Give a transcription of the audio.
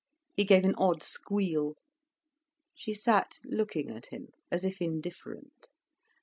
He gave an odd squeal. She sat looking at him, as if indifferent.